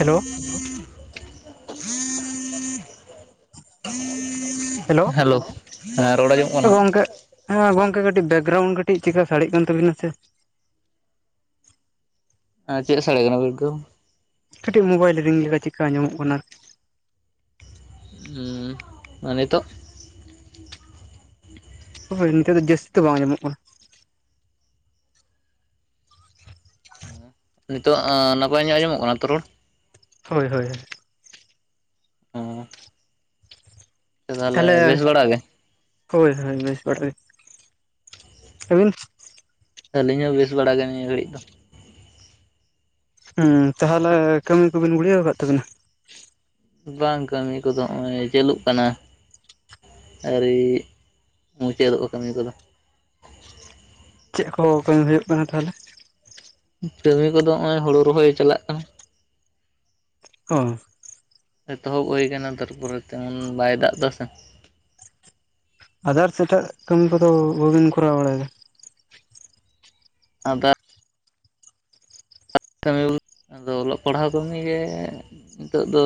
Hello hello ᱦᱮᱸ ᱨᱚᱲ ᱟᱸᱢᱚᱢᱚᱜ ᱠᱟᱱᱟ? ᱜᱚᱝᱠᱮ ᱦᱮᱸ ᱜᱚᱝᱠᱮ ᱠᱟᱹᱴᱤᱡ ᱵᱮᱠᱜᱨᱟᱣᱩᱱᱰ ᱠᱟᱹᱴᱤᱡ ᱪᱮᱫᱠᱟ ᱥᱟᱲᱮᱜ ᱠᱟᱱ ᱛᱟᱵᱤᱱᱟ ᱥᱮᱼᱼ ᱪᱮᱫ ᱥᱮᱲᱮ ᱭᱮᱱᱟ ᱵᱮᱠᱜᱨᱟᱣᱩᱱ? ᱠᱟᱹᱴᱤᱡ ᱢᱳᱵᱟᱭᱤᱞ ᱨᱤᱝ ᱞᱮᱠᱟ ᱪᱮᱫ ᱞᱮᱠᱟ ᱟᱸᱡᱚᱢᱚᱜ ᱠᱟᱱᱟ᱾ ᱩᱸ ᱱᱤᱛᱚᱜ? ᱦᱳᱭ ᱱᱤᱛᱚᱜ ᱫᱚ ᱡᱟᱹᱥ ᱫᱚ ᱵᱟᱝ ᱟᱸᱢᱚᱢᱚᱜ ᱠᱟᱱᱟ᱾ [inaudible] ᱱᱤᱛᱚᱜ ᱱᱟᱯᱟᱭ ᱧᱚᱜ ᱟᱸᱡᱚᱢᱚᱜ ᱠᱟᱱᱟ ᱛᱚ ᱨᱚᱲ? ᱦᱳᱭᱼᱦᱳᱭᱼᱦᱳᱭ ᱳᱸ ᱛᱟᱦᱚᱞᱮ ᱵᱮᱥ ᱵᱟᱲᱟ ᱜᱮ ᱦᱳᱭ ᱦᱳᱭ ᱵᱮᱥ ᱵᱟᱲᱟ ᱜᱮ᱾ ᱟᱵᱤᱱ? ᱟᱹᱞᱤᱧ ᱦᱚᱸ ᱵᱮᱥ ᱵᱟᱲᱟ ᱜᱮ ᱱᱤᱭᱟᱹ ᱜᱷᱟᱹᱲᱤᱡ ᱫᱚ᱾ ᱩᱸ ᱛᱟᱦᱚᱞᱮ ᱠᱟᱹᱢᱤ ᱠᱚ ᱵᱤᱱ ᱜᱩᱲᱤᱭᱟᱹᱣ ᱠᱟᱫ ᱛᱟᱹᱵᱤᱱᱟ? ᱵᱟᱝ ᱠᱟᱹᱢᱤ ᱠᱚᱫᱚ ᱱᱚᱜ-ᱚᱭ ᱪᱟᱹᱞᱩᱜ ᱠᱟᱱᱟ᱾ ᱟᱹᱣᱨᱤ ᱢᱩᱪᱟᱹᱫᱚᱜ-ᱟ ᱠᱟᱹᱢᱤ ᱠᱚᱫᱚ, ᱪᱮᱫ ᱠᱚ ᱠᱟᱹᱢᱤ ᱦᱩᱭᱩᱜ ᱠᱟᱱᱟ ᱛᱟᱦᱚᱞᱮ? ᱠᱟᱹᱢᱤ ᱠᱚᱫᱚ ᱱᱚᱜ-ᱚᱭ ᱦᱳᱲᱳ ᱨᱚᱦᱚᱭ ᱪᱟᱞᱟᱜ ᱠᱟᱱᱟ᱾ ᱚᱻ ᱮᱛᱚᱦᱚᱵ ᱦᱩᱭ ᱟᱠᱟᱱᱟ ᱛᱟᱨᱯᱚᱨᱮ ᱛᱮ ᱮᱢᱚᱱ ᱵᱟᱭ ᱫᱟᱜ-ᱫᱟ ᱥᱮ᱾ ᱟᱫᱟᱨᱥ ᱮᱴᱟᱜ ᱠᱟᱹᱢᱤ ᱠᱚᱫᱚ ᱵᱟᱹᱵᱤᱱ ᱠᱚᱨᱟᱣ ᱵᱟᱲᱟᱭᱮᱫᱟ? [unintelligible] [unintelligible] ᱟᱫᱚ ᱚᱞᱚᱜ ᱯᱟᱲᱦᱟᱣ ᱠᱟᱹᱢᱤᱜᱮ ᱱᱤᱛᱚᱜ ᱫᱚᱼᱼ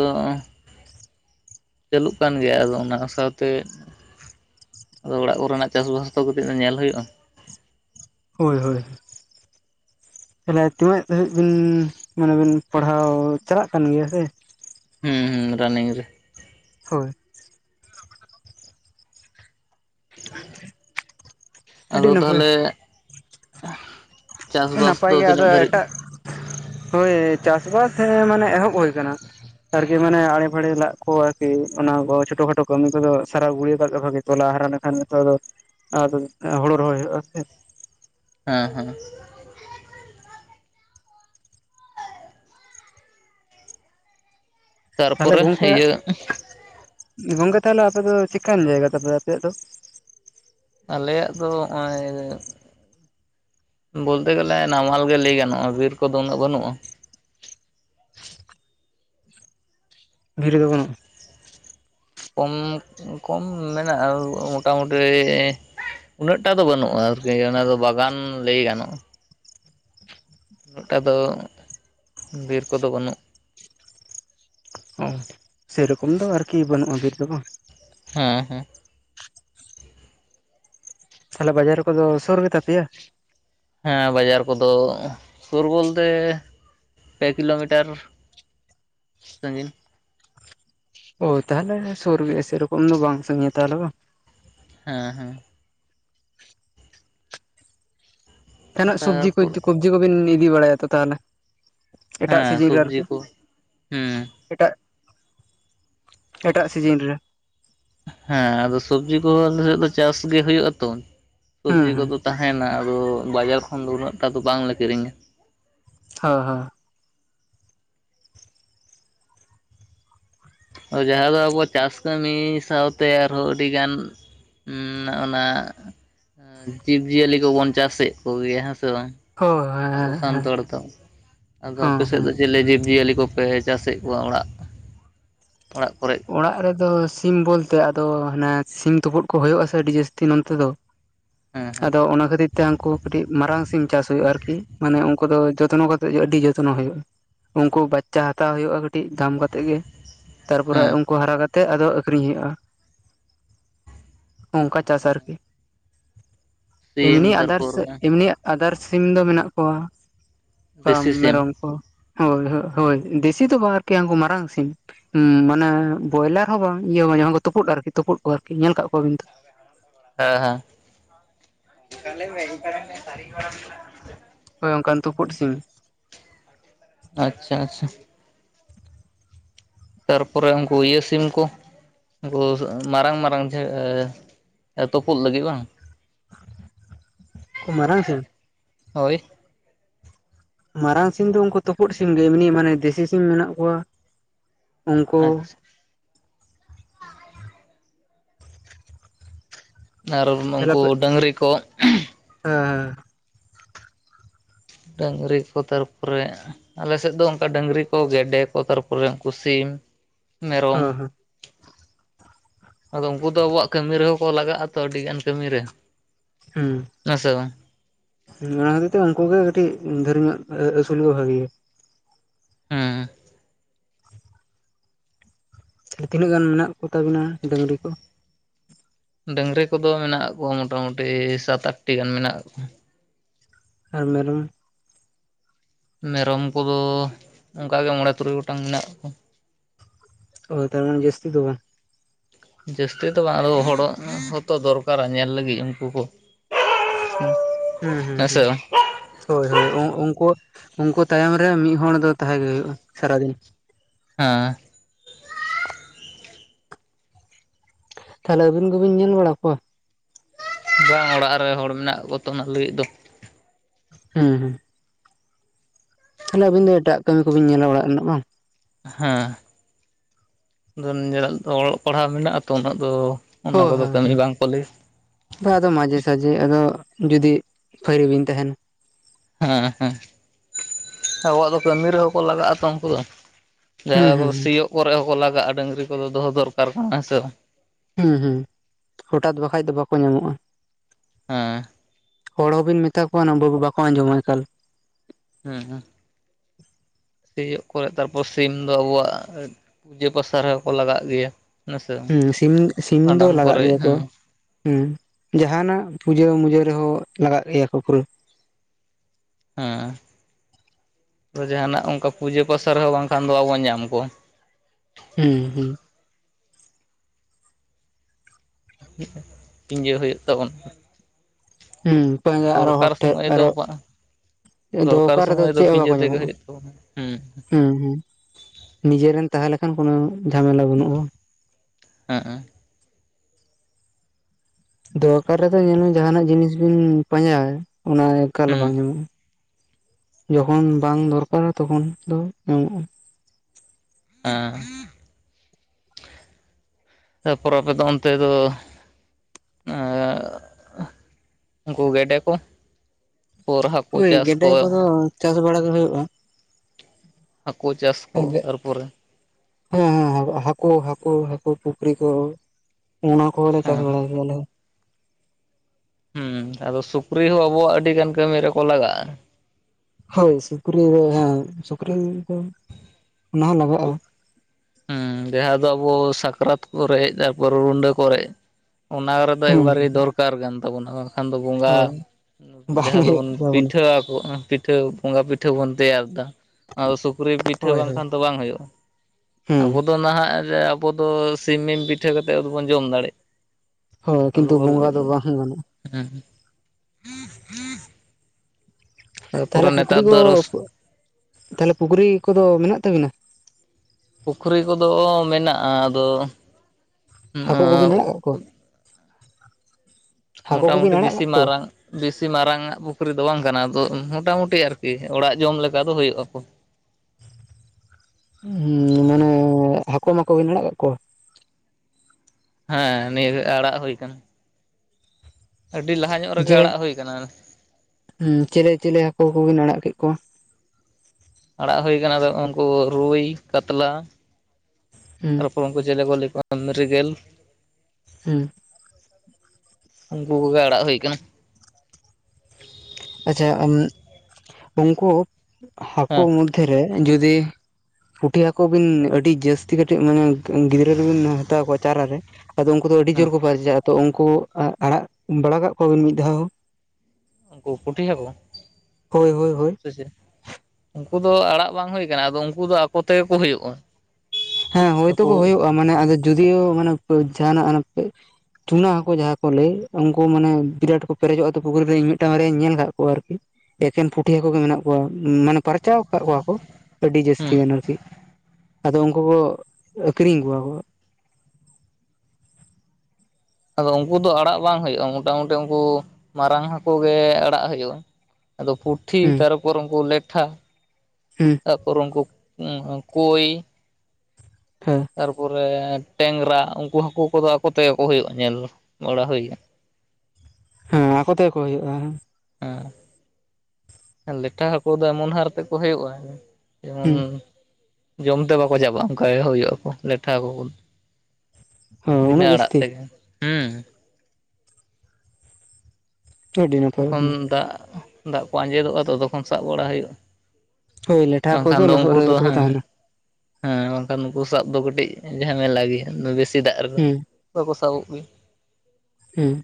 ᱪᱟᱹᱞᱩᱜ ᱠᱟᱱ ᱜᱮᱭᱟ ᱟᱫᱚ ᱚᱱᱟ ᱟᱥᱟᱛᱮᱼᱼ ᱟᱫᱚ ᱚᱲᱟᱜ ᱠᱚᱨᱮᱱᱟᱜ ᱪᱟᱥ-ᱵᱟᱥ ᱛᱚ ᱠᱟᱹᱴᱤᱡ ᱫᱚ ᱧᱮᱞ ᱦᱩᱭᱩᱜ-ᱟ᱾ ᱦᱳᱭ-ᱦᱳᱭ ᱛᱟᱦᱚᱞᱮ ᱛᱤᱱᱟᱹᱜ ᱫᱷᱟᱹᱵᱤᱡ ᱵᱤᱱ ᱢᱟᱱᱮ ᱵᱤᱱ ᱯᱟᱲᱦᱟᱣ ᱪᱟᱞᱟᱜ ᱠᱟᱱ ᱜᱮᱭᱟ ᱥᱮ? ᱦᱩᱸᱻ ᱨᱟᱱᱤᱝ ᱨᱮ᱾ ᱦᱳᱭ ᱟᱹᱰᱤ ᱟᱫᱚ ᱱᱟᱯᱟᱭ ᱛᱟᱦᱚᱞᱮ ᱟᱸᱦ ᱱᱟᱯᱟᱭ ᱜᱮ ᱟᱫᱚ ᱮᱴᱟᱜ ᱦᱳᱭ ᱪᱟᱥ ᱵᱟᱥ ᱢᱟᱱᱮ ᱮᱦᱚᱵ ᱦᱩᱭ ᱠᱟᱱᱟ᱾ ᱟᱨᱠᱤ ᱢᱟᱱᱮ ᱟᱲᱮ ᱯᱷᱟᱲᱮ ᱞᱟᱜ ᱠᱚ ᱟᱨᱠᱤ ᱚᱱᱟ ᱠᱚ ᱪᱷᱴᱳ ᱠᱷᱟᱴᱳ ᱠᱟᱹᱢᱤ ᱠᱚᱫᱚ ᱥᱟᱨᱟᱣ ᱜᱩᱲᱭᱟᱹ ᱠᱟᱜ ᱜᱮ ᱵᱷᱟᱜᱮᱼᱼ ᱛᱚᱞᱟ ᱦᱟᱨᱟ ᱞᱮᱠᱷᱟᱱ ᱜᱮᱛᱚ ᱟᱫᱚ ᱦᱳᱲᱳ ᱨᱚᱦᱚᱭ ᱦᱳᱭᱩᱜ-ᱟ ᱥᱮ? ᱦᱮᱸ-ᱦᱮᱸ ᱛᱟᱦᱚᱞᱮ ᱛᱟᱨᱯᱚᱨᱮ ᱜᱚᱝᱠᱮ ᱤᱭᱟᱹ ᱜᱚᱝᱠᱮ ᱛᱟᱦᱚᱞᱮ ᱟᱯᱮᱭᱟᱜ ᱫᱚ ᱪᱮᱫ ᱠᱟᱱ ᱡᱟᱭᱜᱟ ᱛᱟᱯᱮ ᱟᱯᱮᱭᱟᱜ ᱫᱚ? ᱟᱞᱮᱭᱟᱜ ᱫᱚ ᱱᱚᱜ-ᱚᱭᱼᱼ ᱵᱚᱞᱛᱮ ᱜᱮᱞᱮ ᱱᱟᱢᱟᱞ ᱜᱮ ᱞᱟᱹᱭ ᱜᱟᱱᱚᱜ-ᱟ ᱵᱤᱨ ᱠᱚᱫᱚ ᱩᱱᱟᱹᱜ ᱵᱟᱹᱱᱩᱜ-ᱟ᱾ ᱵᱤᱨ ᱠᱚᱫᱚ ᱵᱟᱹᱱᱩᱜ-ᱟ᱾ ᱠᱚᱢ, ᱠᱚᱢ ᱢᱮᱱᱟᱜ-ᱟ ᱢᱚᱴᱟᱢᱩᱴᱤ᱾ ᱩᱱᱟᱹᱜ ᱴᱟ ᱫᱚ ᱵᱟᱹᱱᱩᱜ-ᱟ ᱟᱨᱠᱤ, ᱚᱱᱟ ᱫᱚ ᱵᱟᱜᱟᱱ ᱞᱟᱹᱭ ᱜᱟᱱᱚᱜ-ᱟ᱾ ᱩᱱᱟᱹᱜ ᱴᱟ ᱫᱚ ᱵᱤᱨ ᱠᱚᱫᱚ ᱵᱟᱹᱱᱩᱜ᱾ ᱚ, ᱥᱮᱨᱚᱠᱚᱢ ᱫᱚ ᱟᱨᱠᱤ ᱵᱟᱹᱱᱩᱜ-ᱟ ᱵᱤᱨ ᱫᱚ ᱵᱟᱝ? ᱦᱮᱸ ᱦᱮᱸ᱾ ᱛᱟᱦᱞᱮ ᱵᱟᱡᱟᱨ ᱠᱚᱫᱚ ᱥᱩᱨ ᱜᱮᱛᱟ ᱯᱮᱭᱟ? ᱦᱮᱸ ᱵᱟᱡᱟᱨ ᱠᱚᱫᱚ ᱥᱩᱨ ᱵᱚᱞᱛᱮ ᱯᱮ ᱠᱤᱞᱳᱢᱤᱴᱟᱨ᱾ ᱥᱟᱺᱜᱤᱧ᱾ ᱳ, ᱛᱟᱦᱞᱮ ᱥᱩᱨ ᱜᱮᱭᱟ᱾ ᱥᱮᱨᱚᱠᱚᱢ ᱫᱚ ᱵᱟᱝ ᱥᱟᱺᱜᱤᱧᱟ ᱛᱟᱦᱞᱮ ᱵᱟᱝ? ᱦᱮᱸ ᱦᱮᱸ᱾ ᱛᱤᱱᱟᱹᱜ ᱥᱚᱵᱽᱡᱤ ᱠᱚ ᱛᱟᱨᱯᱚᱨ ᱥᱚᱵᱽᱡᱤ ᱠᱚᱵᱤᱱ ᱤᱫᱤ ᱵᱟᱲᱟᱭᱟ ᱛᱚ ᱛᱟᱦᱞᱮ? ᱮᱴᱟᱜ ᱦᱮᱸ ᱥᱤᱡᱤᱱ ᱨᱮ ᱥᱚᱵᱽᱡᱤ ᱟᱨᱠᱤ, ᱠᱚ ᱦᱩᱸ ᱮᱴᱟᱜ? ᱮᱴᱟᱜ ᱥᱤᱡᱤᱱ ᱨᱮ᱾ ᱦᱮᱸ, ᱟᱫᱚ ᱥᱚᱵᱡᱤ ᱠᱚ ᱟᱞᱮ ᱥᱮᱫ ᱫᱚ ᱪᱟᱥ ᱜᱮ ᱦᱩᱭᱩᱜ-ᱟ ᱛᱚ ᱦᱩᱸ ᱥᱚᱵᱡᱤ ᱦᱩᱸ ᱠᱚᱫᱚ᱾ ᱛᱟᱦᱮᱱᱟ ᱟᱫᱚ ᱵᱟᱡᱟᱨ ᱠᱷᱚᱱ ᱫᱚ ᱩᱱᱟᱹᱜ ᱴᱟ ᱫᱚ ᱵᱟᱝᱞᱮ ᱠᱤᱨᱤᱧᱟ᱾ ᱦᱚᱸ ᱦᱚᱸ᱾ ᱡᱟᱦᱟᱸ ᱫᱚ ᱟᱵᱚ ᱪᱟᱥ ᱠᱟᱹᱢᱤ ᱥᱟᱶᱛᱮ ᱟᱨᱦᱚᱸ ᱟᱹᱰᱤ ᱜᱟᱱ᱾ ᱱᱚᱜ-ᱚ ᱱᱟ ᱡᱤᱵᱽ ᱡᱤᱭᱟᱹᱞᱤ ᱠᱚᱵᱚᱱ ᱪᱟᱥᱮᱜ ᱠᱚᱜᱮᱭᱟ ᱦᱮᱸ ᱥᱮ ᱵᱟᱝ? ᱦᱳᱭ ᱟᱵᱚ ᱦᱮᱸ ᱦᱮᱸ ᱥᱟᱱᱛᱟᱲ ᱫᱚ᱾ ᱟᱫᱚ ᱟᱯᱮ ᱦᱮᱸ ᱥᱮᱫ ᱫᱚ ᱦᱮᱸ ᱪᱮᱫ ᱞᱮᱠᱟ ᱡᱤᱵᱽ ᱡᱤᱭᱟᱹᱞᱤ ᱠᱚᱯᱮ ᱪᱟᱥᱮᱫ ᱠᱚᱣᱟ ᱚᱲᱟᱜ, ᱚᱲᱟᱜ ᱠᱚᱨᱮ? ᱚᱲᱟᱜ ᱨᱮᱫᱚ ᱥᱤᱢ ᱵᱚᱞᱛᱮ ᱟᱫᱚ ᱦᱟᱱᱮ ᱥᱤᱢ ᱛᱩᱯᱩᱫ ᱠᱚ ᱦᱩᱭᱩᱜ-ᱟ ᱥᱮ ᱟᱹᱰᱤ ᱡᱟᱹᱥᱛᱤ ᱱᱚᱱᱛᱮ ᱫᱚ᱾ ᱦᱮᱸ ᱦᱮᱸ ᱟᱫᱚ ᱚᱱᱟ ᱠᱷᱟᱹᱛᱤᱨ᱾ ᱛᱮ ᱩᱱᱠᱩ ᱠᱟᱹᱴᱤᱡ ᱢᱟᱨᱟᱝ ᱥᱤᱢ ᱪᱟᱥ ᱦᱩᱭᱩᱜ-ᱟ ᱟᱨᱠᱤ, ᱢᱟᱱᱮ ᱩᱱᱠᱩ ᱫᱚ ᱡᱚᱛᱱᱚ ᱠᱟᱛᱮᱜ ᱟᱹᱰᱤ ᱡᱚᱛᱱᱚ ᱦᱩᱭᱩᱜ-ᱟ᱾ ᱩᱱᱠᱩ ᱵᱟᱪᱪᱟ ᱦᱟᱛᱟᱣ ᱦᱩᱭᱩᱜ-ᱟ ᱠᱟᱹᱴᱤᱡ ᱫᱟᱢ ᱠᱟᱛᱮᱫ ᱜᱮ᱾ ᱯᱩᱨᱟᱹ ᱦᱮᱸ ᱩᱱᱠᱩ ᱦᱟᱨᱟ ᱠᱟᱛᱮᱫ ᱟᱫᱚ ᱟᱠᱷᱨᱤᱧ ᱦᱩᱭᱩᱜ-ᱟ᱾ ᱚᱝᱠᱟ ᱪᱟᱥ ᱟᱨᱠᱤ, ᱮᱢᱱᱤ ᱥᱤᱢ ᱟᱫᱟᱨ ᱥᱮ ᱛᱟᱨᱯᱚᱨ ᱮᱢᱱᱤ᱾ ᱟᱫᱟᱨ ᱥᱤᱢ ᱫᱚ ᱢᱮᱱᱟᱜ ᱠᱚᱣᱟ ᱫᱮᱥᱤ ᱥᱤᱢ ᱢᱮᱨᱚᱢ ᱠᱚ᱾ ᱦᱳᱭ ᱦᱳᱭ ᱦᱳᱭ, ᱫᱮᱥᱤ ᱫᱚ ᱵᱟᱝ ᱟᱨᱠᱤ ᱩᱱᱠᱩ ᱢᱟᱨᱟᱝ ᱥᱤᱢ᱾ ᱢᱟᱱᱮ ᱵᱚᱭᱞᱟᱨ ᱦᱚᱸ ᱵᱟᱝ ᱤᱭᱟᱹ ᱡᱟᱦᱟᱸ ᱠᱚ ᱛᱩᱯᱩᱫ ᱟᱨᱠᱤ ᱛᱩᱯᱩᱝ ᱠᱚ ᱟᱨᱠᱤ ᱧᱮᱞ ᱠᱟᱫ ᱠᱚᱣᱟ ᱵᱤᱱ ᱛᱚ? ᱦᱮᱸ ᱦᱮᱸ᱾ ᱦᱳᱭ ᱚᱱᱠᱟᱱ ᱛᱩᱯᱩᱫ ᱥᱤᱢ᱾ ᱟᱪᱪᱷᱟ ᱟᱪᱪᱷᱟ᱾ ᱛᱟᱨᱯᱚᱨᱮ ᱩᱝᱠᱩ ᱤᱭᱟᱹ ᱥᱤᱢ ᱠᱚ? ᱩᱝᱠᱩ ᱢᱟᱨᱟᱝ ᱢᱟᱨᱟᱝ ᱡᱷᱟ ᱛᱩᱯᱩᱜ ᱞᱟᱹᱜᱤᱫ ᱵᱟᱝ? ᱠᱩ ᱢᱟᱨᱟᱝ ᱥᱤᱢ? ᱦᱳᱭ᱾ ᱢᱟᱨᱟᱝ ᱥᱤᱢ ᱫᱚ ᱩᱱᱠᱩ ᱛᱩᱯᱩᱫ ᱥᱤᱢ ᱜᱮ ᱮᱢᱱᱤ ᱢᱟᱱᱮ ᱫᱮᱥᱤ ᱥᱤᱢ ᱢᱮᱱᱟᱜ ᱠᱚᱣᱟ ᱩᱱᱠᱩ᱾ ᱟᱪᱪᱷᱟ ᱟᱨ ᱱᱩᱝᱠᱩ ᱰᱟᱝᱨᱤ ᱠᱚ᱾ ᱦᱮᱸ᱾ ᱰᱟᱹᱝᱨᱤ ᱠᱚ ᱛᱟᱨᱯᱚᱨᱮ᱾ ᱟᱞᱮᱥᱮᱫ ᱫᱚ ᱚᱝᱠᱟ ᱰᱟᱹᱝᱨᱤ ᱠᱚ, ᱜᱮᱰᱮ ᱠᱚ, ᱛᱟᱨᱯᱚᱨᱮ ᱩᱱᱠᱩ ᱥᱤᱢ, ᱢᱮᱨᱚᱢ᱾ ᱟᱫᱚ ᱩᱱᱠᱩ ᱫᱚ ᱟᱵᱚᱣᱟᱜ ᱠᱟᱹᱢᱤ ᱨᱮᱦᱚᱸ ᱠᱚ ᱞᱟᱜᱟᱜ-ᱟ ᱛᱚ ᱟᱹᱰᱤ ᱜᱟᱱ ᱠᱟᱹᱢᱤ ᱨᱮ᱾ ᱦᱩᱸ᱾ ᱦᱮᱸ ᱥᱮ ᱵᱟᱝ? ᱦᱩᱸ ᱚᱱᱟ ᱦᱚᱛᱮᱡ ᱛᱮ ᱩᱱᱠᱩᱜ ᱜᱮ ᱠᱟᱹᱴᱤᱡ ᱫᱷᱟᱹᱨᱤ ᱧᱚᱜ ᱟᱹᱥᱩᱞ ᱜᱮ ᱵᱷᱟᱜᱤᱭᱟ᱾ ᱦᱩᱸ᱾ ᱛᱟᱦᱞᱮ ᱛᱤᱱᱟᱹᱜ ᱜᱟᱱ ᱢᱮᱱᱟᱜ ᱠᱚᱛᱟ ᱵᱤᱱᱟ ᱰᱟᱹᱝᱨᱤ ᱠᱚ? ᱰᱟᱹᱝᱨᱤ ᱠᱚᱫᱚ ᱢᱮᱱᱟᱜ ᱠᱚᱣᱟ ᱢᱚᱴᱟᱢᱩᱴᱤ ᱥᱟᱛ ᱟᱴᱴᱤ ᱜᱟᱱ ᱢᱮᱱᱟᱜ ᱠᱚᱣᱟ᱾ ᱟᱨ ᱢᱮᱨᱚᱢ? ᱢᱮᱨᱚᱢ ᱠᱚᱫᱚ, ᱚᱱᱠᱟᱜᱮ ᱢᱚᱬᱮ ᱛᱩᱨᱩᱭ ᱜᱚᱴᱟᱝ ᱢᱮᱱᱟᱜ ᱠᱚ᱾ ᱛᱚ ᱛᱟᱨ ᱢᱟᱱᱮ, ᱡᱟᱹᱥᱛᱤ ᱫᱚ ᱵᱟᱝ-? ᱡᱟᱹᱥᱛᱤ ᱫᱚ ᱵᱟᱝ, ᱟᱫ ᱦᱚᱲ ᱦᱚᱸᱛᱚ ᱫᱚᱨᱠᱟᱨᱟ, ᱧᱮᱞ ᱞᱟᱹᱜᱤᱫ ᱩᱱᱠᱩ ᱠᱚ᱾ ᱦᱩᱸ ᱦᱩᱸ, ᱦᱩᱸ, ᱦᱩᱸ, ᱦᱳᱭ, ᱦᱳᱭ, ᱩᱱᱠᱩ-ᱩᱱᱠᱩ, ᱛᱟᱭᱚᱢ ᱨᱮ ᱢᱤᱫ ᱦᱚᱲ ᱫᱚ, ᱛᱟᱦᱮᱸ ᱜᱮ ᱦᱳᱭᱩᱳᱜᱼᱟ ᱥᱟᱨᱟᱫᱤᱱ᱾ ᱦᱮᱸ, ᱛᱟᱦᱚᱞᱮ ᱟᱵᱤᱱ ᱜᱮᱵᱤᱱ ᱧᱮᱞ ᱵᱟᱲᱟ ᱠᱚᱣᱟ? ᱵᱟᱝ ᱚᱲᱟᱜ ᱨᱮ ᱦᱚᱲ ᱢᱮᱱᱟᱜ ᱠᱚᱛᱚ, ᱚᱱᱟ ᱞᱟᱹᱜᱤᱫ ᱫᱚ᱾ ᱦᱩᱸ, ᱦᱩᱸ᱾ ᱛᱟᱦᱚᱞᱮ ᱟᱵᱤᱱ ᱫᱚ, ᱮᱴᱟᱜ ᱠᱟᱹᱢᱤ ᱠᱚᱵᱤᱱ ᱧᱮᱞᱟ, ᱚᱲᱟᱜ ᱨᱮᱱᱟᱜ ᱵᱟᱝ? ᱦᱮᱸ, ᱱᱤᱡᱮᱨᱟᱜ ᱫᱚ ᱚᱞᱚᱜ ᱯᱟᱲᱦᱟᱜ ᱢᱮᱱᱟᱜᱼᱟ ᱛᱚ, ᱩᱱᱟᱹᱜ ᱫᱚ ᱚᱱᱟ ᱳ, ᱠᱚᱫᱚ ᱦᱮᱸ, ᱠᱟᱹᱢᱤ ᱦᱮᱸ, ᱵᱟᱝᱠᱚ ᱞᱟᱹᱭᱟ ᱵᱟ ᱟᱫᱚ ᱢᱟᱡᱷᱮ ᱥᱟᱡᱷᱮ ᱟᱫᱚ, ᱡᱩᱫᱤ ᱯᱷᱟᱹᱨᱤ ᱵᱤᱱ ᱛᱟᱦᱮᱱ? ᱦᱮᱸ, ᱦᱮᱸ, ᱟᱵᱚᱣᱟᱜ ᱫᱚ ᱠᱟᱹᱢᱤ ᱨᱮᱦᱚ ᱠᱚ ᱞᱟᱜᱟᱜ ᱟᱛᱚ ᱩᱱᱠᱩ ᱫᱚ᱾ ᱡᱟᱦᱟᱸ ᱦᱩᱸ ᱦᱩᱸ ᱠᱚᱫᱚ ᱥᱤᱭᱳᱜ ᱠᱚᱨᱮ ᱦᱚᱸᱠᱚ ᱞᱟᱜᱟᱜᱼᱟ, ᱰᱟᱹᱝᱨᱤ ᱠᱚᱫᱚ ᱫᱚᱦᱚ ᱫᱚᱨᱠᱟᱨ ᱠᱟᱱᱟ ᱦᱮᱸ ᱥᱮ ᱵᱟᱝ? ᱦᱩᱸ, ᱦᱩᱸ, ᱦᱚᱴᱟᱛ ᱵᱟᱠᱷᱟᱡ ᱫᱚ ᱵᱟᱠᱚ ᱧᱟᱢᱚᱜᱼᱟ᱾ ᱦᱮᱸ, ᱦᱚᱲ ᱦᱚᱸᱵᱤᱱ ᱢᱮᱛᱟ ᱠᱚᱣᱟ, ᱵᱟᱹᱵᱩ ᱵᱟᱠᱚ ᱟᱸᱡᱚᱢᱟ ᱮᱠᱟᱞ᱾ ᱦᱩᱸ, ᱦᱩᱸ, ᱥᱤᱭᱳᱜ ᱠᱚᱨᱮ, ᱛᱟᱨᱯᱚᱨ ᱥᱤᱢ ᱫᱚ, ᱟᱵᱚᱣᱟᱜ ᱯᱩᱡᱟᱹ ᱯᱟᱥᱟ ᱨᱮᱦᱚᱸ ᱠᱚ ᱞᱟᱜᱟᱜ ᱜᱮᱭᱟ᱾ ᱦᱮᱸᱥᱮ ᱦᱩᱸ, ᱥᱤᱢ, ᱥᱤᱢ ᱫᱚ ᱵᱷᱟᱸᱰᱟᱱ ᱞᱟᱜᱟᱜ ᱠᱚᱨᱮ ᱜᱮᱭᱟ ᱠᱚ᱾ ᱦᱮᱸ ᱦᱩᱸ, ᱡᱟᱦᱟᱸᱱᱟᱜ ᱯᱩᱡᱟᱹ, ᱢᱩᱡᱟᱹ ᱨᱮᱦᱚ ᱞᱟᱜᱟᱜ ᱜᱮᱭᱟ ᱠᱚ ᱯᱩᱨᱟᱹ᱾ ᱦᱮᱸ, ᱟᱫᱚ ᱡᱟᱦᱟᱱᱟᱜ ᱚᱱᱠᱟ ᱯᱩᱡᱟᱹ ᱯᱟᱥᱟ ᱨᱮᱦᱚᱸ, ᱵᱟᱝᱠᱷᱟᱱ ᱫᱚ ᱟᱵᱚᱱ ᱧᱟᱢ ᱠᱚᱣᱟ᱾ ᱦᱩᱸ, ᱦᱩᱸ, ᱯᱤᱡᱟᱹ ᱦᱳᱭᱳᱜ ᱛᱟᱵᱚᱱᱟ᱾ ᱦᱩᱸ, ᱯᱟᱸᱡᱟ ᱟᱨᱦᱚ ᱦᱚᱲ ᱫᱚᱨᱠᱟᱨ ᱴᱷᱮᱜ ᱥᱚᱢᱚᱭ ᱟᱨᱚ ᱫᱚ ᱵᱟᱝ ᱫᱚᱨᱠᱟᱨ ᱨᱮᱫᱚ ᱥᱚᱢᱚᱭ ᱫᱚ ᱪᱮᱜ ᱦᱚᱸ ᱵᱟᱠᱚ ᱯᱤᱸᱡᱟᱹ ᱛᱮᱜᱮ ᱧᱟᱢᱚᱜᱼᱟ, ᱦᱩᱭᱩᱜ ᱛᱟᱵᱚᱱᱟ ᱦᱩᱸ ᱦᱩᱸ, ᱦᱩᱸ᱾ ᱱᱤᱡᱮᱨᱮᱱ ᱛᱟᱦᱮᱸ ᱞᱮᱠᱷᱟᱱ, ᱠᱳᱱᱳ ᱡᱷᱟᱢᱮᱞᱟ ᱵᱟᱹᱱᱩᱜᱼᱟ᱾ ᱦᱮᱸᱜ, ᱮᱸ᱾ ᱫᱚᱨᱠᱟᱨ ᱨᱮᱫᱚ ᱧᱮᱞ ᱢᱮ, ᱡᱟᱦᱟᱸ ᱱᱟᱜ ᱡᱤᱱᱤᱥ ᱵᱤᱱ ᱯᱟᱸᱡᱟᱭᱟ, ᱚᱱᱟ ᱮᱠᱟᱞ ᱦᱩᱸ ᱵᱟᱝ ᱧᱟᱢᱚᱜᱼᱟ᱾ ᱡᱚᱠᱷᱚᱱ ᱵᱟᱝ ᱫᱚᱨᱠᱟᱨᱟ, ᱛᱚᱠᱷᱚᱱ ᱫᱚ ᱧᱟᱢᱚᱜᱼᱟ᱾ ᱟᱸ, ᱛᱟᱯᱚᱨ ᱟᱯᱮ ᱫᱚ ᱚᱱᱛᱮ ᱫᱚ, ᱟᱸ ᱩᱱᱠᱩ ᱜᱮᱰᱮ ᱠᱚ, ᱯᱚᱨ ᱦᱟᱹᱠᱳ ᱦᱳᱭ ᱪᱟᱥ ᱠᱚ? ᱜᱮᱰᱮ ᱠᱚᱫᱚ ᱪᱟᱥ ᱵᱟᱲᱟ ᱫᱚ ᱦᱳᱭᱳᱜᱼᱟ᱾ ᱦᱟᱹᱠᱳ ᱪᱟᱥ ᱠᱚ ᱛᱟᱨᱯᱚᱨᱮ ᱦᱮᱸ, ᱦᱮᱸ, ᱦᱟᱠᱳ-ᱦᱟᱠᱳ, ᱦᱟᱠᱳ, ᱯᱩᱠᱷᱨᱤ ᱠᱚ ᱚᱱᱟ ᱠᱚᱦᱚᱸ ᱞᱮ ᱪᱟᱥ ᱦᱮᱸ ᱵᱟᱲᱟ ᱜᱮᱭᱟᱞᱮ᱾ ᱦᱩᱸ, ᱟᱫᱚ ᱥᱩᱠᱨᱤ ᱦᱚᱸ, ᱟᱵᱚᱣᱟᱜ ᱟᱹᱰᱤ ᱜᱟᱱ ᱠᱟᱹᱢᱤ ᱨᱮᱠᱚ ᱞᱟᱜᱟᱜᱼᱟ᱾ ᱦᱳᱭ ᱥᱩᱠᱨᱤ ᱫᱚ ᱦᱮᱸ, ᱥᱩᱠᱨᱤ ᱫᱚ ᱚᱱᱟ ᱦᱚᱸ ᱞᱟᱜᱟᱜᱼᱟ᱾ ᱦᱩᱸ ᱡᱟᱦᱟᱸ ᱫᱚ ᱟᱵᱚ ᱥᱟᱠᱨᱟᱛ ᱠᱚᱨᱮ, ᱛᱟᱨᱯᱚᱨ ᱨᱩᱰᱟᱹ ᱠᱚᱨᱮ ᱚᱱᱟ ᱫᱚ, ᱦᱩᱸ ᱮᱠᱵᱟᱨᱮ ᱫᱚᱨᱠᱟᱨ ᱠᱟᱱ ᱛᱟᱵᱚᱱᱟ ᱠᱚ᱾ ᱠᱷᱟᱱ ᱫᱚ ᱵᱚᱸᱜᱟ, ᱦᱳᱭ ᱵᱟᱝ ᱡᱟᱦᱟᱸ ᱦᱩᱭᱩᱜ ᱫᱚᱵᱚᱱ ᱛᱟᱵᱚᱱᱟ ᱯᱤᱴᱷᱟᱹᱣᱟ ᱠᱚ ᱯᱤᱴᱷ ᱵᱚᱸᱜᱟ ᱯᱤᱴᱷᱟᱹ ᱵᱚᱱ ᱛᱮᱭᱟᱨ ᱫᱟ, ᱚᱱᱟᱫᱚ ᱥᱩᱠᱨᱤ ᱯᱤᱴᱷᱟᱹ ᱦᱳᱭ ᱦᱳᱭ ᱵᱟᱝᱠᱷᱟᱱ ᱫᱚ ᱵᱟᱝ ᱦᱳᱭᱳᱜᱼᱟ᱾ ᱦᱩᱸ ᱟᱵᱚ ᱫᱚ ᱱᱟᱦᱟᱜ ᱟᱵᱚ ᱫᱚ, ᱥᱤᱢ ᱢᱤᱢ ᱯᱤᱴᱷᱟᱹ ᱠᱟᱛᱮᱫ ᱫᱚᱵᱚᱱ ᱡᱚᱢ ᱫᱟᱲᱮᱜ ᱦᱳᱭ ᱟᱫᱚ ᱠᱤᱱᱛᱩ ᱵᱳᱞ ᱵᱚᱸᱜᱟ ᱫᱚ ᱵᱟᱝ ᱜᱟᱱᱚᱜᱼᱟ ᱦᱮᱸ ᱛᱟᱦᱚᱞᱮ ᱛᱟᱨᱯᱚᱨᱮ ᱯᱩᱠᱷᱨᱤ ᱱᱮᱛᱟᱨ ᱫᱚ ᱠᱚ, ᱟᱨᱚ ᱛᱟᱦᱚᱞᱮ ᱯᱩᱠᱷᱨᱤ ᱠᱚᱫᱚ, ᱢᱮᱱᱟᱜ ᱛᱟᱵᱤᱱᱟ? ᱯᱩᱠᱷᱨᱤ ᱠᱚᱫᱚ ᱢᱮᱱᱟᱜᱼᱟ, ᱟᱫᱚ ᱦᱟᱹᱠᱳ ᱠᱚᱵᱤᱱ ᱟᱲᱟᱜ ᱠᱟᱜ ᱠᱚᱣᱟ? ᱦᱟᱹᱠᱩ ᱢᱚᱴᱟᱢᱩᱴᱤ ᱠᱚᱵᱤᱱ ᱟᱲᱟᱜ ᱵᱮᱥᱤ ᱠᱟᱜ ᱠᱚᱣᱟ ᱢᱟᱨᱟᱝ᱾ ᱵᱮᱥᱤ ᱢᱟᱨᱟᱝᱟᱜ ᱯᱩᱠᱷᱨᱤ ᱫᱚ ᱵᱟᱝ ᱠᱟᱱᱟ ᱟᱫᱚ ᱢᱚᱴᱟᱢᱩᱴᱤ ᱟᱨᱠᱤ ᱚᱲᱟᱜ ᱡᱚᱢ ᱞᱮᱠᱟ ᱫᱚ ᱦᱩᱭᱩᱜᱼᱟ ᱠᱚ᱾ ᱦᱩ ᱢᱟᱱᱮ ᱦᱟᱹᱠᱩ ᱢᱟᱠᱚ ᱵᱮᱱ ᱟᱲᱟᱜ ᱠᱟᱜ ᱠᱚᱣᱟ? ᱦᱮᱸ ᱱᱤᱭᱟᱹ ᱟᱲᱟᱜ ᱦᱩᱭ ᱠᱟᱱᱟ ᱟᱹᱰᱤ ᱞᱟᱦᱟ ᱧᱚᱜ ᱨᱮᱜᱮ ᱟᱲᱟᱜ ᱦᱩᱭ ᱠᱟᱱᱟ᱾ ᱦᱮᱸ ᱪᱤᱞᱤᱼᱪᱤᱞᱤ ᱦᱟᱹᱠᱩ ᱠᱚᱵᱤᱱ ᱟᱲᱟᱜ ᱠᱮᱜ ᱠᱚᱣᱟ? ᱟᱲᱟᱜ ᱦᱩᱭ ᱠᱟᱱᱟ ᱫᱚ ᱩᱝᱠᱩ ᱨᱩᱭ, ᱠᱟᱛᱞᱟ ᱦᱩᱸ ᱛᱟᱨᱯᱚᱨ ᱩᱝ ᱠᱩ ᱪᱮᱞᱮ ᱠᱚ ᱠᱟᱹᱞᱠᱚ ᱢᱤᱨᱮᱜᱮᱞ ᱾ ᱦᱩᱸ ᱾ ᱩᱝᱠᱩ ᱠᱚᱜᱮ ᱟᱲᱟᱜ ᱦᱩᱭ ᱠᱟᱱᱟ᱾ ᱟᱪᱪᱷᱟ ᱟᱢ ᱩᱝᱠᱩ ᱦᱟᱹᱠᱩ ᱦᱮᱸ ᱢᱚᱫᱽᱫᱷᱮᱨᱮ ᱡᱚᱫᱤ ᱯᱩᱴᱷᱤ ᱦᱟᱹᱠᱩ ᱵᱤᱱ ᱟᱹᱰᱤ ᱡᱟᱹᱥᱛᱤ ᱠᱟᱹᱴᱤᱜ ᱢᱟᱱᱮ ᱜᱤᱫᱽᱨᱟᱹ ᱨᱮᱵᱤᱱ ᱦᱟᱛᱟᱣ ᱠᱚᱣᱟ ᱪᱟᱨᱟ ᱨᱮ ᱟᱫᱚ ᱩᱝᱠᱩ ᱫᱚ ᱟᱹᱰᱤ ᱡᱳᱨ ᱦᱮᱸ ᱠᱚ ᱯᱟᱨᱡᱟᱜᱼᱟ ᱛᱚ ᱩᱱᱠᱩ ᱟ ᱟᱲᱟᱜ ᱵᱟᱲᱟ ᱠᱟᱜ ᱠᱚᱣᱟᱵᱤᱱ ᱢᱤᱫ ᱫᱷᱟᱣ ᱦᱚᱸ? ᱩᱝᱠᱩ ᱯᱩᱴᱷᱤ ᱦᱟᱠᱩ? ᱦᱳᱭ ᱦᱳᱭ ᱦᱳᱭ ᱦᱯᱮᱥᱮ ᱩᱝᱠᱩ ᱫᱚ ᱟᱲᱟᱜ ᱵᱟᱝ ᱦᱩᱭ ᱠᱟᱱᱟ ᱟᱫᱚ ᱩᱝᱠᱩ ᱫᱚ ᱟᱠᱚ ᱛᱮᱜᱮ ᱠᱚ ᱦᱩᱭᱩᱜᱼᱟ᱾ ᱦᱮᱸ ᱦᱩᱭᱛᱚᱠᱚ ᱛᱟᱠᱚ ᱦᱩᱭᱩᱜᱼᱟ ᱢᱟᱱᱮ ᱟᱫᱚ ᱦᱩᱫᱤᱥ ᱢᱟᱱᱮ ᱡᱟᱸᱦᱟᱱᱟᱜ ᱢᱟᱱᱮ ᱪᱩᱱᱟ ᱦᱚᱸᱠᱩ ᱡᱟᱦᱟᱸ ᱠᱚ ᱞᱟᱹᱭ ᱩᱝᱠᱩ ᱢᱟᱱᱮ ᱵᱤᱨᱟᱴ ᱠᱚ ᱯᱮᱨᱮᱡᱚᱜᱼᱟ ᱛᱚ ᱯᱩᱠᱷᱤᱨ ᱨᱮ ᱤᱧ ᱢᱤᱫᱴᱟᱝ ᱵᱟᱨᱭᱟᱧ ᱧᱮᱞ ᱠᱟᱜ ᱠᱚᱣᱟ ᱟᱨᱠᱤ᱾ ᱮᱠᱮᱱ ᱯᱩᱴᱷᱤ ᱦᱟᱹᱠᱩ ᱜᱮ ᱢᱮᱱᱟᱜ ᱠᱚᱣᱟ ᱢᱟᱱᱮ ᱯᱟᱨᱮ ᱪᱟᱣ ᱠᱟᱜ ᱠᱚᱣᱟ ᱠᱚ ᱟᱹᱰᱤ ᱡᱟᱹᱥᱛᱤ ᱦᱩᱸ ᱢᱟᱱᱮ ᱟᱨᱠᱤ ᱟᱫᱚ ᱩᱝ ᱠᱩ ᱟᱠᱷᱨᱤᱧ ᱠᱚᱣᱟ ᱠᱚ᱾ ᱟᱫᱚ ᱩᱝᱠᱩ ᱫᱚ ᱟᱲᱟᱜ ᱵᱟᱝ ᱦᱩᱭᱩᱜᱼᱟ, ᱢᱚᱴᱟᱢᱩᱴᱤ ᱩᱝᱠᱩ ᱢᱟᱨᱟᱝ ᱦᱟᱠᱩ ᱜᱮ ᱟᱲᱟᱜ ᱦᱩᱭᱩᱜᱼᱟ᱾ ᱟᱫᱚ ᱯᱩᱴᱷᱤ ᱦᱩᱸ ᱛᱟᱨᱯᱚᱨ ᱩᱝᱠᱩ ᱞᱮᱴᱷᱟ ᱾ ᱦᱩᱸ ᱾ ᱛᱟᱨᱯᱚᱨ ᱩᱝᱠᱩ ᱮᱸ ᱠᱩᱭ ᱦᱮᱸ ᱾ ᱛᱟᱨᱯᱚᱨᱮ ᱴᱮᱝᱨᱟ ᱩᱝᱠᱩ ᱦᱟᱹᱠᱩ ᱠᱚᱫᱚ ᱟᱠᱚ ᱛᱮᱜᱮ ᱠᱚ ᱦᱩᱭᱩᱜᱼᱟ ᱧᱮᱞ ᱵᱟᱲᱟ ᱦᱩᱭ ᱦᱮᱸ ᱟᱠᱚ ᱛᱮᱜᱮ ᱠᱚ ᱦᱩᱭᱩᱜᱼᱟ᱾ ᱦᱮᱸ ᱟᱨ ᱞᱮᱴᱷᱟ ᱦᱟᱹᱠᱩ ᱫᱚ ᱮᱢᱚᱱ ᱦᱟᱨ ᱛᱮᱠᱚ ᱦᱩᱭᱩᱜᱼᱟ ᱡᱮᱢᱚᱱ ᱦᱩᱸ ᱡᱚᱢᱛᱮ ᱵᱟᱠᱚ ᱪᱟᱵᱟᱜᱼᱟ ᱚᱝᱠᱟ ᱜᱮ ᱦᱩᱭᱩᱜ ᱟᱠᱚ ᱞᱮᱴᱷᱟ ᱦᱟᱠᱩ ᱠᱚ ᱦᱳᱭ ᱵᱤᱱᱟᱹ ᱩᱱᱟᱹᱜ ᱟᱲᱟᱜ ᱡᱟᱹᱥᱛᱤ ᱛᱮᱜᱮ, ᱦᱩᱸ ᱟᱹᱰᱤ ᱱᱟᱯᱟᱭ ᱡᱚᱠᱷᱚᱱ ᱫᱟᱜ, ᱫᱟᱜ ᱠᱚ ᱟᱸᱡᱮᱫᱚᱜᱼᱟ ᱛᱚ ᱛᱚᱠᱷᱚᱱ ᱥᱟᱵ ᱵᱟᱲᱟ ᱦᱩᱭᱩᱜᱼᱟ, ᱦᱳᱭ ᱞᱮᱴᱷᱟ ᱵᱟᱝᱠᱷᱟᱱ ᱠᱚᱫᱚ ᱫᱚ ᱞᱚᱥᱚᱫ ᱩᱝᱠᱩ ᱨᱮᱜᱮ ᱫᱚ ᱛᱟᱠᱚ ᱦᱮᱸ ᱛᱟᱦᱮᱱᱟ ᱦᱮᱸ ᱵᱟᱝᱠᱷᱟᱱ ᱱᱩᱠᱩ ᱥᱟᱵ ᱫᱚ ᱠᱟᱹᱴᱤᱜ ᱡᱷᱟᱢᱮᱞᱟ ᱜᱮᱭᱟ ᱵᱮᱥᱤ ᱫᱟᱜ ᱨᱮᱫᱚ ᱦᱩᱸ ᱵᱟᱠᱚ ᱥᱟᱵᱚᱜ ᱜᱮᱭᱟ᱾ ᱦᱩᱸ ᱾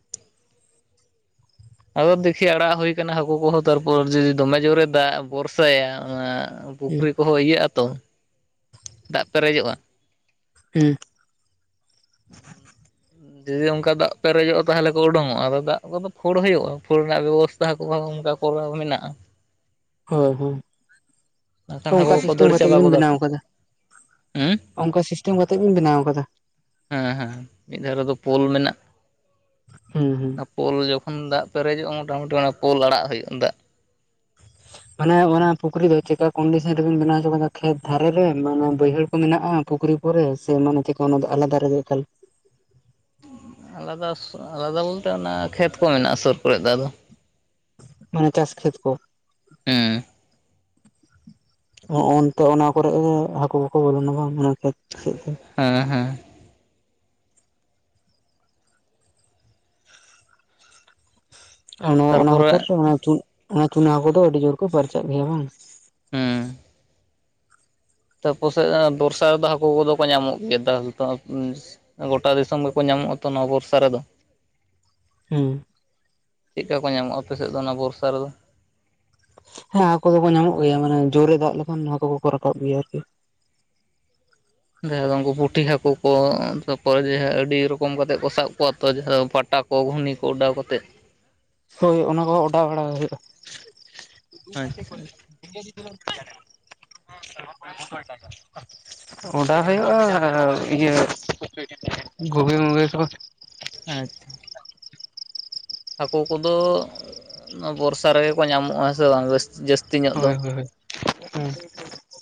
ᱟᱫᱚ ᱫᱮᱠᱷᱤ ᱟᱲᱟᱜ ᱦᱩᱭ ᱠᱟᱱᱟ ᱦᱟᱹᱠᱩ ᱠᱚᱦᱚᱸ ᱛᱟᱨᱯᱚᱨ ᱡᱩ ᱡᱩ ᱫᱚᱢᱮ ᱡᱩᱨᱮ ᱫᱟᱜ ᱵᱚᱨᱥᱟᱭᱟ ᱚᱱᱟ ᱦᱩᱸ ᱯᱩᱠᱷᱨᱤ ᱠᱚᱦᱚᱸ ᱤᱭᱟᱹᱜᱼᱟ ᱛᱚ ᱫᱟᱜ ᱯᱮᱨᱮᱡᱚᱜᱼᱟ᱾ ᱦᱩᱸ ᱾ ᱡᱩᱫᱤ ᱚᱝᱠᱟ ᱫᱟᱜ ᱯᱮᱨᱮᱡᱚᱜᱼᱟ ᱛᱟᱦᱞᱮ ᱠᱚ ᱩᱰᱩᱝᱚᱜᱼᱟ, ᱟᱫᱚ ᱫᱟᱜ ᱠᱚᱫᱚ ᱯᱷᱩᱲ ᱦᱩᱭᱩᱜᱼᱟ ᱯᱷᱩᱲ ᱨᱮᱱᱟᱜ ᱵᱮᱵᱚᱥ ᱛᱷᱟ ᱠᱚᱦᱚᱸ ᱚᱝᱠᱟ ᱠᱚᱨᱟᱣ ᱢᱮᱱᱟᱜᱼᱟ᱾ ᱦᱳᱭ ᱦᱩᱸ ᱾ ᱵᱟᱝᱠᱷᱟᱱ ᱚᱝᱠᱟ ᱦᱟᱹᱠᱩ ᱠᱚ ᱥᱤᱥᱴᱟᱹᱢ ᱫᱟᱹᱲ ᱠᱟᱛᱮᱜ ᱪᱟᱵᱟ ᱜᱮᱵᱮᱱ ᱜᱚᱫᱟ ᱠᱚ ᱵᱮᱱᱟᱣ ᱠᱟᱫᱟ ᱦᱮᱸ ᱚᱝᱠᱟ ᱥᱤᱥᱴᱟᱹᱢ ᱠᱟᱛᱮᱜ ᱵᱮᱱ ᱵᱮᱱᱟᱣ ᱠᱟᱫᱟ᱾ ᱦᱮᱸ ᱦᱮᱸ ᱢᱤᱫ ᱫᱷᱟᱨᱮ ᱫᱚ ᱯᱳᱞ ᱢᱮᱱᱟᱜ ᱾ ᱦᱩᱸ ᱦᱩᱸ ᱾ ᱚᱱᱟ ᱯᱳᱞ ᱡᱚᱠᱷᱚᱱ ᱫᱟᱜ ᱯᱮᱨᱮᱡᱚᱜᱼᱟ ᱢᱚᱴᱟᱢᱩᱴᱤ ᱚᱱᱟ ᱯᱳᱞ ᱟᱲᱟᱜ ᱦᱩᱭᱩᱜᱼᱟ ᱫᱟᱜ᱾ ᱢᱟᱱᱮ ᱚᱱᱟ ᱯᱩᱠᱷᱨᱤ ᱫᱚ ᱪᱮᱠᱟ ᱠᱚᱱᱰᱤᱥᱚᱱ ᱨᱮᱵᱮᱱ ᱵᱮᱱᱟᱣ ᱦᱚᱪᱚ ᱠᱟᱫᱟ ᱠᱷᱮᱛ ᱫᱷᱟᱨᱮ ᱨᱮ ᱢᱟᱱ ᱵᱟᱹᱭᱦᱟᱹᱲ ᱠᱚ ᱢᱮᱱᱟᱜᱼᱟ ᱯᱩᱠᱷᱨᱤ ᱠᱚᱨᱮ ᱥᱮ ᱢᱟᱱᱮ ᱪᱮᱠᱟ ᱚᱱᱟ ᱫᱚ ᱟᱞᱟᱫᱟ ᱨᱮᱜᱮ ᱮᱠᱟᱞ? ᱟᱞᱟᱫᱟ ᱥᱩ ᱟᱞᱟᱫᱟ ᱵᱚᱞᱛᱮ ᱚᱱᱟ ᱠᱷᱮᱛ ᱠᱚ ᱢᱮᱱᱟᱜᱼᱟ ᱥᱩᱨ ᱠᱚᱨᱮᱜ ᱫᱚ ᱟᱫᱚ ᱢᱟᱱᱮ ᱪᱟᱥ ᱠᱷᱮᱛ ᱠᱚ? ᱦᱮᱸ ᱦᱚᱜ ᱚᱱᱛᱮ ᱚᱱᱟ ᱠᱚᱨᱮ ᱦᱟᱹᱠᱩ ᱠᱚᱠᱚ ᱵᱚᱞᱚᱱᱟ ᱵᱟᱝ ᱚᱱᱟ ᱠᱷᱮᱛ ᱥᱮᱫ ᱛᱮ ᱾ ᱦᱮᱸ ᱦᱮᱸ ᱾ ᱚᱱᱮ ᱚᱱᱟ ᱠᱷᱟᱹᱛᱤᱨ ᱛᱟᱨᱯᱚᱨᱮ ᱛᱮ ᱚᱱᱟ ᱪᱩᱱᱼᱪᱩᱱᱟ ᱦᱟᱹᱠᱩ ᱫᱚ ᱟᱹᱰᱤ ᱡᱳᱨ ᱠᱚ ᱯᱟᱨᱪᱟᱜ ᱜᱮᱭᱟ ᱵᱟᱝ ᱾ ᱦᱩᱸᱻ ᱛᱟ ᱟᱯᱮ ᱥᱮᱫ ᱵᱚᱨᱥᱟ ᱨᱮᱫᱚ ᱦᱟᱹᱠᱩ ᱠᱚᱫᱚ ᱠᱚ ᱧᱟᱢᱚᱜ ᱜᱮᱭᱟ ᱫᱟᱜᱼᱼ ᱜᱚᱴᱟ ᱫᱤᱥᱚᱢ ᱜᱮᱠᱚ ᱧᱟᱢᱚᱜᱼᱟ ᱛᱚ ᱱᱚᱣᱟ ᱵᱚᱨᱥᱟ ᱨᱮᱫᱚ ᱾ ᱦᱩᱸ ᱪᱮᱫ ᱞᱮᱠᱟ ᱠᱚ ᱧᱟᱢᱚᱜᱼᱟ ᱟᱯᱮ ᱮᱥᱮᱫ ᱫᱚ ᱚᱱᱟ ᱵᱚᱨᱥᱟ ᱨᱮᱫᱚ? ᱦᱮᱸ ᱦᱟᱹᱠᱩ ᱫᱚᱠᱚ ᱧᱟᱢᱚᱜ ᱜᱮᱭᱟ ᱢᱟᱱᱮ ᱡᱳᱨᱮ ᱫᱟᱜ ᱞᱮᱠᱷᱟᱱ ᱱᱚᱣᱟ ᱠᱚ ᱠᱚ ᱨᱟᱠᱟᱵ ᱜᱮᱭᱟ ᱟᱨᱠᱤ᱾ ᱡᱟᱦᱟᱸ ᱫᱚ ᱩᱱᱠᱩ ᱯᱩᱴᱷᱤ ᱦᱟᱹᱠᱩ ᱠᱚ ᱛᱟᱯᱚᱨᱮ ᱡᱮ ᱟᱹᱰᱤ ᱨᱚᱠᱚᱢ ᱠᱟᱛᱮ ᱠᱚ ᱥᱟᱵ ᱠᱚᱣᱟ ᱛᱚ ᱡᱟᱦᱟᱸ ᱫᱚ ᱯᱟᱴᱟᱼᱼ ᱠᱚ ᱜᱷᱩᱱᱤ ᱠᱚ ᱚᱰᱟᱣ ᱠᱟᱛᱮᱫ᱾ ᱦᱳᱭ ᱚᱱᱟ ᱠᱚᱦᱚᱸ ᱚᱰᱟᱣ ᱵᱟᱲᱟ ᱦᱳᱭᱳᱜᱼᱟ ᱟᱪᱪᱷᱟ ᱾ ᱤ [unintelligible] ᱚᱰᱟᱣ ᱦᱩᱭᱩᱜᱼᱟ ᱤᱭᱟᱹ ᱜᱷᱩᱜᱤ ᱢᱩᱜᱤ ᱠᱚ ᱾ ᱟᱪᱪᱷᱟ ᱾ ᱦᱟᱹᱠᱩ ᱠᱚᱫᱚ ᱱᱚᱣᱟ ᱵᱚᱨᱥᱟ ᱨᱮᱜᱮ ᱠᱚ ᱧᱟᱢᱚᱜᱼᱟ ᱦᱮᱸ ᱥᱮ ᱵᱟᱝ ᱡᱟᱹᱥᱛᱤ ᱼᱼ ᱦᱳᱭ ᱦᱳᱭ ᱦᱮᱸ